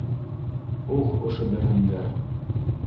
— Ух, ошо бәрәндәр!